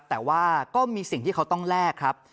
แต่ว่าก็มีสิ่งที่เขาต้องแลกครับ